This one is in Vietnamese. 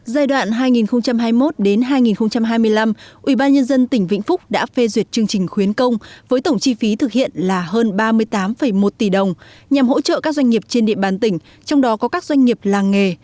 giai đoạn hai nghìn hai mươi một hai nghìn hai mươi năm ubnd tỉnh vĩnh phúc đã phê duyệt chương trình khuyến công với tổng chi phí thực hiện là hơn ba mươi tám một tỷ đồng nhằm hỗ trợ các doanh nghiệp trên địa bàn tỉnh trong đó có các doanh nghiệp làng nghề